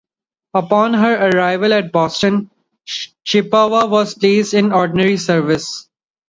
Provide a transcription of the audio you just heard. Upon her arrival at Boston, "Chippewa" was placed in ordinary service.